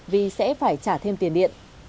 vì sẽ phải trả thêm tiền điện